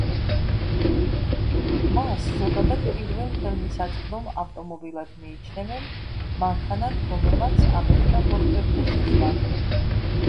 მას ზოგადად პირველ ხელმისაწვდომ ავტომობილად მიიჩნევენ, მანქანად, რომელმაც „ამერიკა ბორბლებზე შესვა“.